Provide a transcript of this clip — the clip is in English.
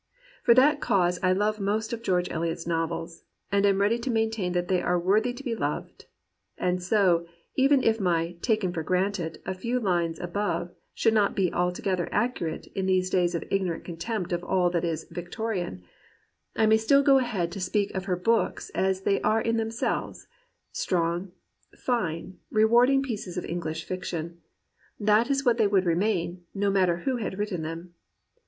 For that cause I love most of Greorge Eliot's novels, and am ready to maintain that they are worthy to be loved. And so, even if my "taken for granted" a few lines above should not be altogether accurate in these days of ignorant contempt of all that is 138 GEORGE ELIOT AND REAL WOMEN "Victorian," I may still go ahead to speak of her books as they are in themselves: strong, fine, re warding pieces of EngKsh fiction : that is what they would remain, no matter who had WTitten them.